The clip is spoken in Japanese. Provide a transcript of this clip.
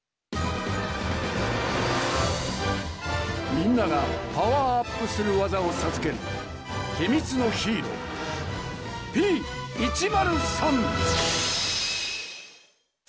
みんながパワーアップするわざをさずけるひみつのヒーローＰ１０３。